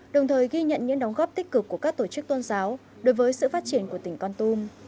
đồng thời ghi nhận những đóng góp tích cực của các tổ chức tôn giáo đối với sự phát triển của tỉnh con tum